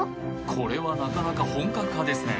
これはなかなか本格派ですね